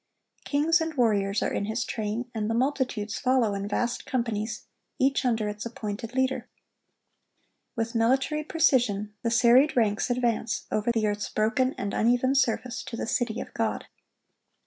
Kings and warriors are in his train, and the multitudes follow in vast companies, each under its appointed leader. With military precision, the serried ranks advance over the earth's broken and uneven surface to the city of God.